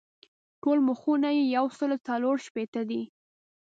ټول مخونه یې یو سل څلور شپېته دي.